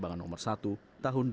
jangan kemasah kemasahan